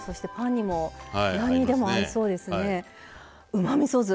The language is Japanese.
うまみそ酢